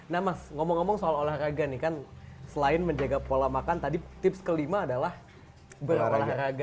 nah mas ngomong ngomong soal olahraga nih kan selain menjaga pola makan tadi tips kelima adalah berolahraga